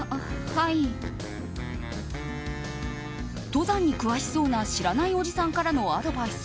登山に詳しそうな知らないおじさんからのアドバイス。